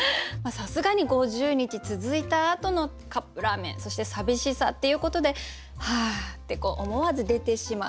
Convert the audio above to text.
さすがに五十日続いたあとのカップラーメンそして寂しさっていうことで「はあ」ってこう思わず出てしまう。